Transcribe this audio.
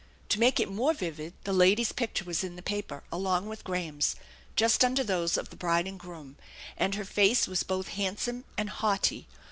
To make it more vivid the lady's picture was in the paper along with Graham's, just under those of the bride and groom, and her face was both handsome and haughty.